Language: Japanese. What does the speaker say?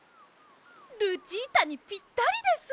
ルチータにぴったりです！